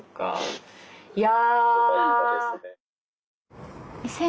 いや。